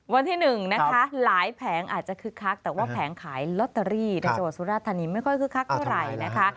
วันที่๑หลายแผงอาจจะคึกคักแต่ว่าแผงขายลอตเตอรี่ในสุราษฎร์ธรรมนี้ไม่ค่อยคึกคักเท่าไหร่